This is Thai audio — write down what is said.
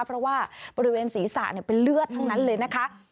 เพราะว่าบริเวณศีรษะเป็นเลือดทั้งนั้นเลยนะคะ